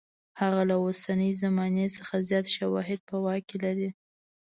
هغه له اوسنۍ زمانې څخه زیات شواهد په واک کې لري.